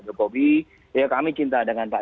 jokowi ya kami cinta dengan pak